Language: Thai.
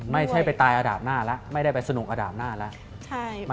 ไม่ใช่ไปตายอาดาบหน้าแล้วไม่ได้ไปสนุกอาดาบหน้าแล้ว